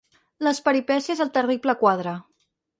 Les peripècies del terrible quadre